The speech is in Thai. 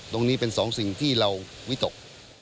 ตรงนี้เป็นสองสิ่งที่เราวิตก